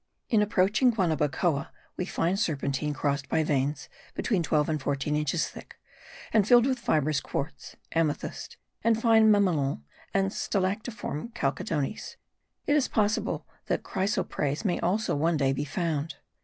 In approaching Guanabacoa we find serpentine crossed by veins between twelve and fourteen inches thick, and filled with fibrous quartz, amethyst, and fine mammelonnes, and stalactiforme chalcedonies; it is possible that chrysoprase may also one day be found.